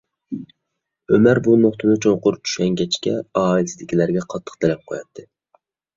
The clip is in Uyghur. ئۆمەر بۇ نۇقتىنى چوڭقۇر چۈشەنگەچكە، ئائىلىسىدىكىلەرگە قاتتىق تەلەپ قوياتتى.